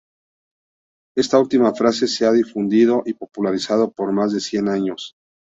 Esta última frase se ha difundido y popularizado por más de cien años.